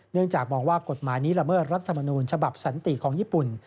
เนื่องจากมองว่ากฎหมายนี้ละเมิดรัฐมนูญฉบับสันติของญี่ปุ่น